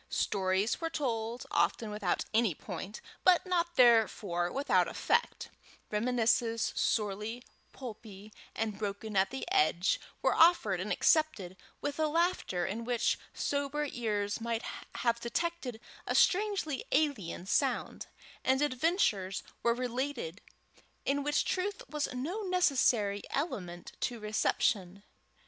Stories were told, often without any point, but not therefore without effect; reminiscences, sorely pulpy and broken at the edges, were offered and accepted with a laughter in which sober ears might have detected a strangely alien sound; and adventures were related in which truth was no necessary element to reception.